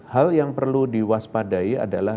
hal yang perlu diwaspadai adalah